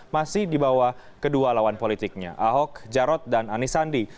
masih dibawa kedua lawan politiknya ahok jarod dan anisandi